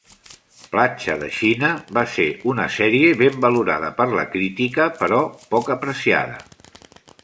"Platja de Xina" va ser una sèrie ben valorada per la crítica, però poc apreciada.